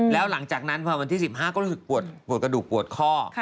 แล้วหลังจากนั้นพอวันที่๑๕ก็รู้สึกปวดกระดูกปวดข้อ